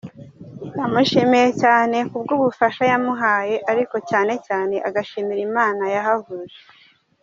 Yamushimiye cyane ku bw'ubufasha yamuhaye ariko cyane cyane agashimira Imana yabahuje.